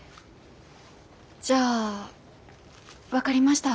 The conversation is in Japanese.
じゃあ分かりました。